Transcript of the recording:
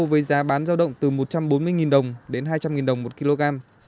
với giá bán giao động từ một trăm bốn mươi đồng đến hai trăm linh đồng một kg